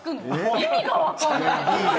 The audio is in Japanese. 意味がわかんない。